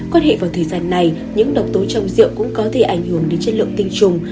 quan hệ vào thời gian này những độc tố trong rượu cũng có thể ảnh hưởng đến chất lượng tinh trùng